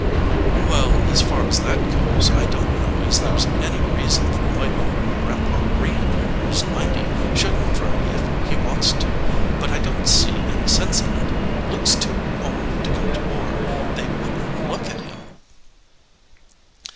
"Well, as far as that goes, I don t know as 158 THE LIAR there s any reason why old Grandpa Green, who s ninety, shouldn t drill if he wants to, but I don t see any sense in it. Luke s too old to go to war. They wouldn t look at him."